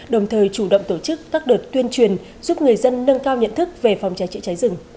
đồng thời chủ động tổ chức các đợt tuyên truyền giúp người dân nâng cao nhận thức về phòng cháy chữa cháy rừng